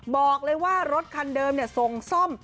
บอกเลยว่ารถคันเดิมส่งซ่อม